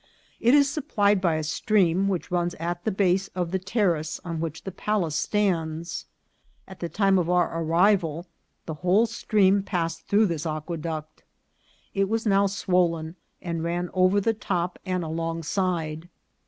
It is supplied by a stream which runs at the base of the ter race on which the palace stands. At the time of our arrival the whole stream passed through this aqueduct. It was now swollen, and ran over the top and along side.